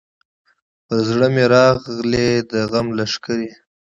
پر زړه مي راغلې د غم لښکري